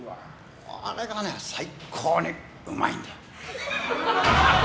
これがね、最高にうまいんだよ。